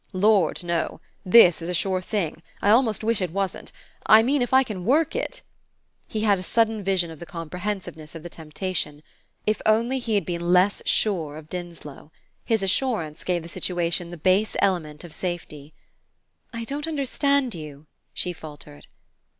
"Lord, no. This is a sure thing I almost wish it wasn't; I mean if I can work it " He had a sudden vision of the comprehensiveness of the temptation. If only he had been less sure of Dinslow! His assurance gave the situation the base element of safety. "I don't understand you," she faltered.